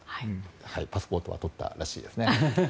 パスポートは取ったらしいです。